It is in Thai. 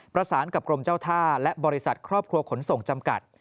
ประสานกับกรมเจ้าท่าและบริษัทครอบครัวขนส่งจำกัด